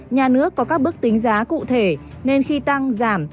nhà nước có các bước tính giá cụ thể nên khi tăng giảm